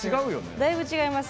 だいぶ違います。